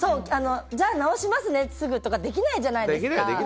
じゃあ治しますねってすぐできないじゃないですか。